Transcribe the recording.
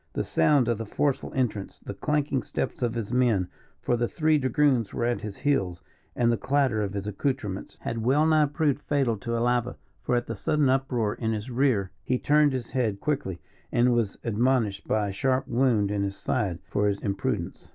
The sound of the forceful entrance, the clanking steps of his men, for the three dragoons were at his heels, and the clatter of his accoutrements, had well nigh proved fatal to Alava; for at the sudden uproar in his rear, he turned his head quickly, and was admonished by a sharp wound in his side for his imprudence.